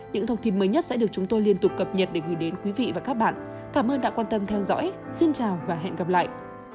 những thông tin mới nhất sẽ được chúng tôi liên tục cập nhật để gửi đến quý vị và các bạn cảm ơn đã quan tâm theo dõi xin chào và hẹn gặp lại